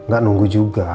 gak nunggu juga